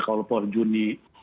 kalau per juni